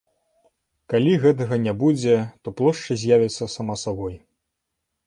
Калі гэтага не будзе, то плошча з'явіцца сама сабой.